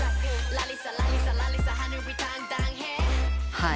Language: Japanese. はい。